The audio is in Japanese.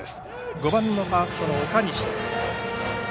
５番のファーストの岡西です。